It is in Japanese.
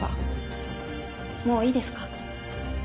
もういいですか？